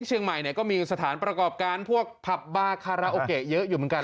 เชียงใหม่เนี่ยก็มีสถานประกอบการพวกผับบาคาราโอเกะเยอะอยู่เหมือนกัน